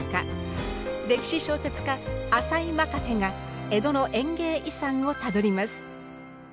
歴史小説家朝井まかてが江戸の園芸遺産をたどります。